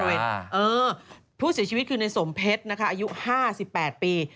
ผู้เสียชีวิตคือในสมเพชรนะคะอายุ๕๘ปี